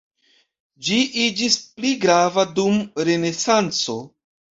Ĝi iĝis pli grava dum Renesanco.